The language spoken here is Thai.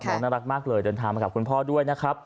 นักน่ารักมากเลยดนตรามากับคุณพ่อด้วย